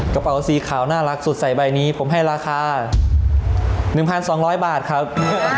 กระเป๋าสีขาวน่ารักสุดใส่ใบนี้ผมให้ราคา๑๒๐๐บาทครับ